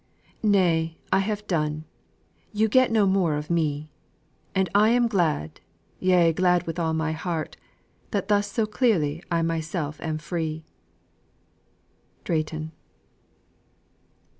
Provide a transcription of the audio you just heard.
"Nay, I have done; you get no more of me; And I am glad, yea glad with all my heart, That thus so clearly I myself am free." DRAYTON.